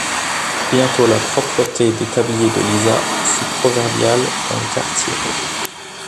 Bientôt la propreté des tabliers de Lisa fut proverbiale dans le quartier.